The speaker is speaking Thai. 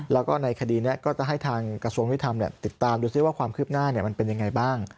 แล้วก็ในคดีนี้ก็จะให้ทางกระทรวงยุทธรรมติดตามดูซิว่าความคืบหน้ามันเป็นยังไงบ้าง